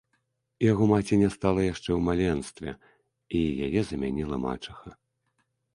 Яго маці не стала яшчэ ў маленстве, і яе замяніла мачаха.